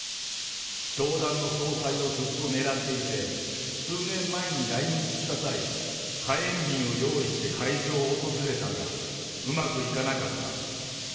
教団の総裁をずっと狙っていて、数年前に来日した際、火炎瓶を用意して会場を訪れたが、うまくいかなかった。